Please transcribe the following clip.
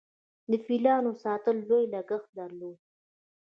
د فیلانو ساتل لوی لګښت درلود